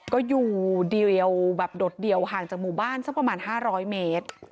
ก็อยู่เดียวแบบโดดเดี่ยวห่างจากหมู่บ้านสักประมาณ๕๐๐เมตร